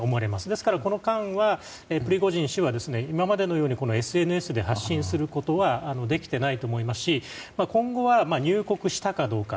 ですから、この間はプリゴジン氏は今までのようにＳＮＳで発信することはできていないと思いますし今後は、入国したかどうか。